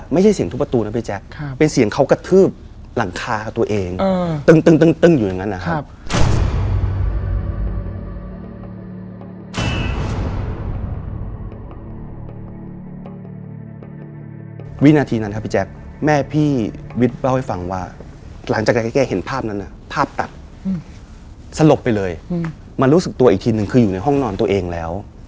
มันรู้สึกตัวอีกทีนึงคืออยู่ในห้องนอนตัวเองแล้ว